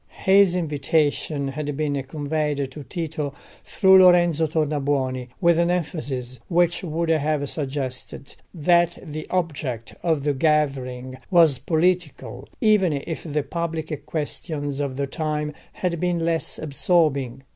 His invitation had been conveyed to Tito through Lorenzo Tornabuoni, with an emphasis which would have suggested that the object of the gathering was political, even if the public questions of the time had been less absorbing.